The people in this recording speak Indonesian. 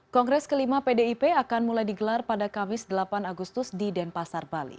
kongres kelima pdip akan mulai digelar pada kamis delapan agustus di denpasar bali